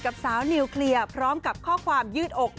สาวนิวเคลียร์พร้อมกับข้อความยืดอก